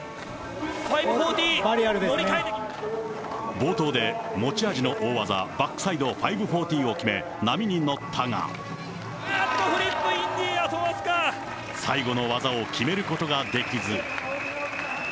冒頭で持ち味の大技、バックサイド５４０を決め、あっと、フィリップインディ最後の技を決めることができず。